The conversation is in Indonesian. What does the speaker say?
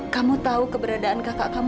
kamu tahu keberadaan kakak kamu